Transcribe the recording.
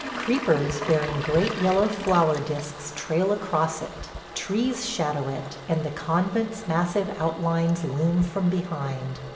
Creepers bearing great yellow flower disks trail across it; trees shadow it, and the convent's massive outlines loom from behind.